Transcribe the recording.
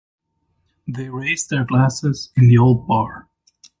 They raised their glasses in the old bar.